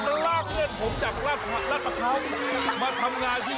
แล้วลากเลื่อนผมจากลากเขามาทำงานที่นี่เขาดี